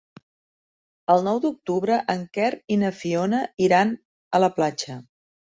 El nou d'octubre en Quer i na Fiona iran a la platja.